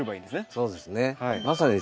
そうですね。